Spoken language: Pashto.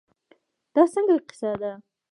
دا څنګه کیسه ده.